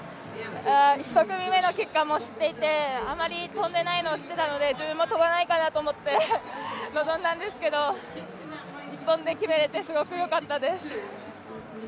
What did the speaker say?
１組目の結果を知っていてあんま飛ばないかなと思っていて自分も飛ばないかなと思って臨んだんですけど１本で決めれて、すごくよかったです。